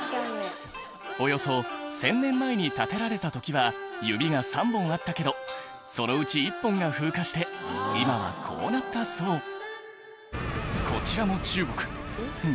およそ１０００年前に建てられた時は指が３本あったけどそのうち１本が風化して今はこうなったそうこちらも中国何？